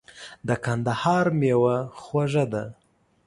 د کندهار مېوه خوږه ده .